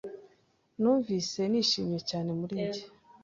Numvise nishimye cyane muri njye